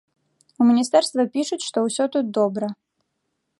У міністэрства пішуць, што ўсё тут добра.